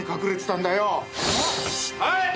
はい！